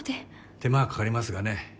手間はかかりますがね